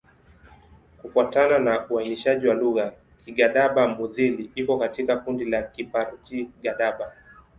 Kufuatana na uainishaji wa lugha, Kigadaba-Mudhili iko katika kundi la Kiparji-Gadaba.